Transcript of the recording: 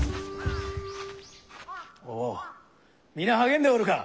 おお皆励んでおるか？